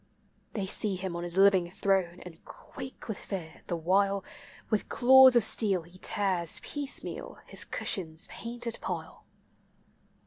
They see him on his living throne, and quake with fear, the while With claws of steel he tears piecemeal hi* cushion's painted pile.